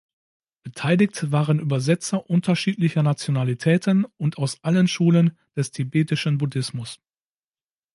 Beteiligt waren Übersetzer unterschiedlicher Nationalitäten und aus allen Schulen des tibetischen Buddhismus.